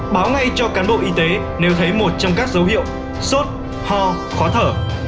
báo ngay cho cán bộ y tế nếu thấy một trong các dấu hiệu sốt ho khó thở